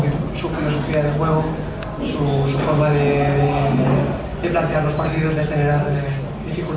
jika tidak bisa berhadapan selalu ada pertandingan